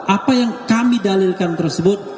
apa yang kami dalilkan tersebut